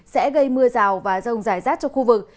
sẽ gây mưa rào và rông rải rác cho khu vực